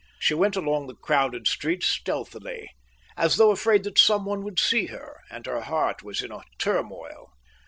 She went along the crowded street stealthily, as though afraid that someone would see her, and her heart was in a turmoil.